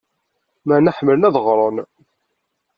Maɛna ḥemmlen ad ɣren.